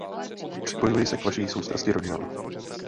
Připojuji se k vaší soustrasti rodinám.